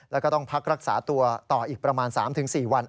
แล้วก็ต้องพักรักษาตัวต่ออีกประมาณ๓๔วัน